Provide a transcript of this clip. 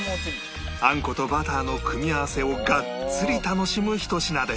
あんことバターの組み合わせをがっつり楽しむひと品です